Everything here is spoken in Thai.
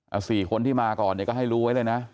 เอา๔คนที่มาก่อนเนี่ยก็ให้รู้ไว้เลยนะ